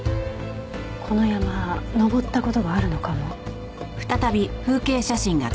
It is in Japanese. この山登った事があるのかも。